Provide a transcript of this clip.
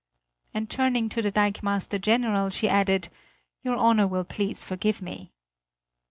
And turning to the dikemaster general, she added: "Your Honor will please forgive me."